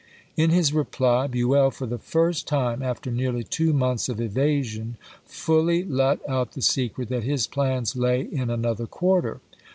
In his reply, Buell for the first time, after nearly two months of evasion, fully let out the secret that his plans lay in another quarter.